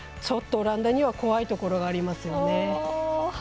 オランダには怖いところがありますよね。